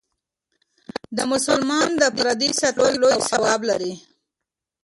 د مسلمان د پردې ساتل لوی ثواب لري.